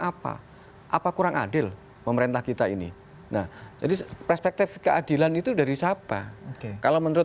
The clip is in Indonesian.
apa apa kurang adil pemerintah kita ini nah jadi perspektif keadilan itu dari siapa kalau menurut